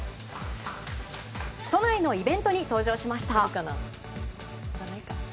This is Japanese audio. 都内のイベントに登場しました。